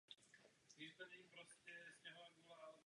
Nyní je jejím osobním trenérem.